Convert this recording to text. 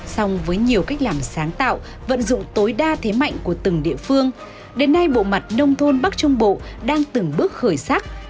xong với nhiều cách làm sáng tạo vận dụng tối đa thế mạnh của từng địa phương đến nay bộ mặt nông thôn bắc trung bộ đang từng bước khởi sắc